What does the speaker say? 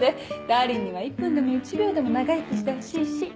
ダーリンには１分でも１秒でも長生きしてほしいし。